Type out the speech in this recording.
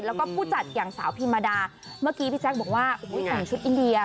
แล้วก็ผู้จัดอย่างสาวพิมมาดาเมื่อกี้พี่แจ๊คบอกว่าแต่งชุดอินเดีย